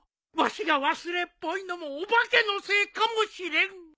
わしが忘れっぽいのもお化けのせいかもしれん。